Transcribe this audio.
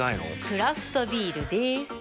クラフトビールでーす。